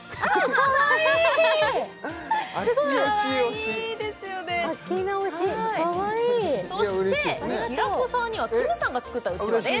かわいいはいそして平子さんにはきむさんが作ったうちわです